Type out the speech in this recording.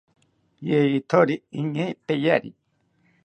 Yeyithori iñee peyari